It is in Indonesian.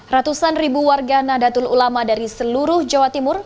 ratusan ribu warga nadatul ulama dari seluruh jawa timur